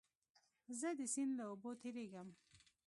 زه د سیند له اوبو تېرېږم.